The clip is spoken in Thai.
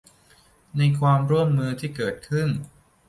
ในความร่วมมือที่เกิดขึ้น